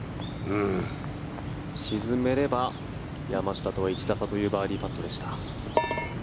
沈めれば山下とは１打差というバーディーパットでした。